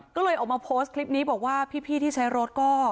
ก็เลยออกมาโพสต์คลิปนี้บอกว่าพี่ที่ใช้รถก็